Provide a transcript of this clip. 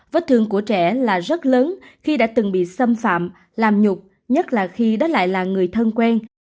vết thương của trẻ là rất lớn khi đã từng bị xâm phạm làm nhục nhất là khi đó lại là người thân quen